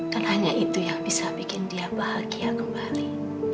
karena hanya itu yang bisa bikin dia bahagia kembali